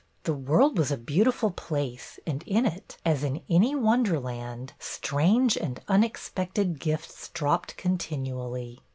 The world was a beautiful place and in it, as in any wonderland, strange and unexpected gifts dropped continually.